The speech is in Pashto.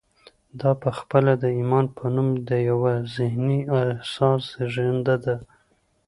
دا پخپله د ایمان په نوم د یوه ذهني احساس زېږنده ده